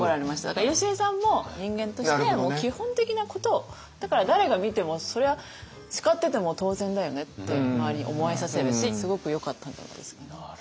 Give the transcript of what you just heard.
だからよしえさんも人間として基本的なことをだから誰が見てもそれは叱ってても当然だよねって周りに思えさせるしすごくよかったんじゃないですかね。